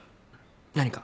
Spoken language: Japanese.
何か？